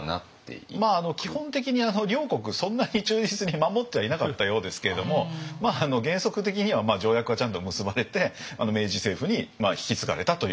基本的に両国そんなに忠実に守ってはいなかったようですけれども原則的には条約はちゃんと結ばれて明治政府に引き継がれたということですよね。